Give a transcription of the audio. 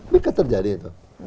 bikin terjadi itu